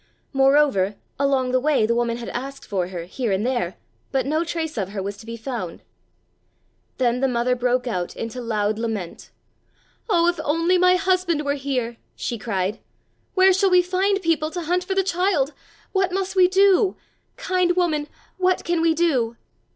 Moreover, along the way the woman had asked for her, here and there, but no trace of her was to be found. Then the mother broke out into loud lament. "Oh, if only my husband were here!" she cried. "Where shall we find people to hunt for the child? What must we do? Kind woman, what can we do?"